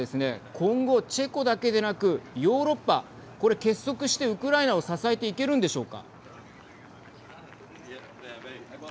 今後、チェコだけでなくヨーロッパ、これ結束してウクライナを支えていけるんでしょうか。